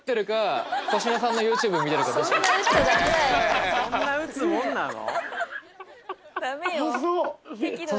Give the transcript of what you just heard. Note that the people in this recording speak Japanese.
俺マジで［そんな打つもんなの？］